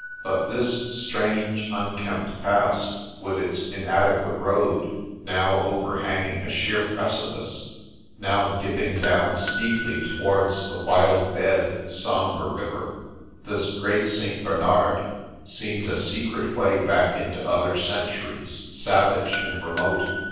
But this strange, unkempt Pass, with its inadequate road, — now overhanging a sheer precipice, now dipping down steeply towards the wild bed of its sombre river, — this Great St. Bernard, seemed a secret way The Brat 109 back into other centuries, savage and remote.